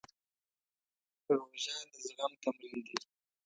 روژه د زغم تمرین دی.